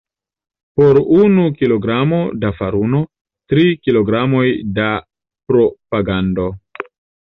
Por unu kilogramo da faruno, tri kilogramoj da propagando.